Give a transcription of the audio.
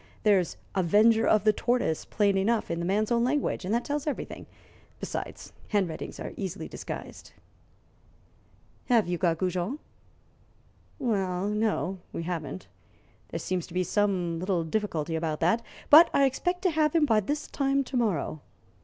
There's 'avenger of the tortoise' plain enough, in the man's own language, and that tells everything. Besides, handwritings are easily disguised." "Have you got Goujon?" "Well, no; we haven't. There seems to be some little difficulty about that. But I expect to have him by this time to morrow.